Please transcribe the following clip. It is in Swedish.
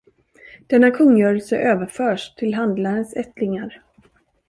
Denna kungörelse överförs till Handlarens ättlingar.